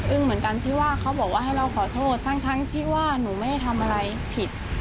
เหมือนกันที่ว่าเขาบอกว่าให้เราขอโทษทั้งที่ว่าหนูไม่ได้ทำอะไรผิด